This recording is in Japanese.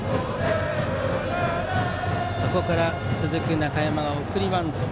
そこから続く中山は送りバント。